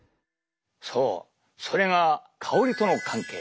そうそれが香りとの関係。